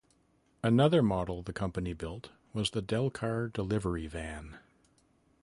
Another model the company built was the Delcar delivery van.